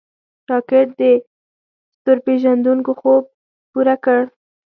راکټ د ستورپیژندونکو خوب پوره کړ